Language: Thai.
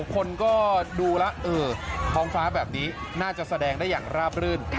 คนก็ดูแล้วท้องฟ้าแบบนี้น่าจะแสดงได้อย่างราบรื่น